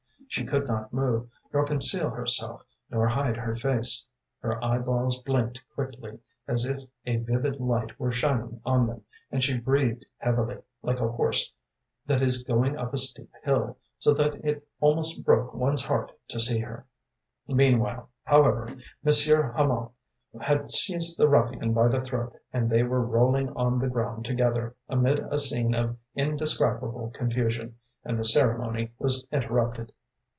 She could not move, nor conceal herself, nor hide her face. Her eyelids blinked quickly, as if a vivid light were shining on them, and she breathed heavily, like a horse that is going up a steep hill, so that it almost broke one's heart to see her. Meanwhile, however, Monsieur Hamot had seized the ruffian by the throat, and they were rolling on the ground together, amid a scene of indescribable confusion, and the ceremony was interrupted.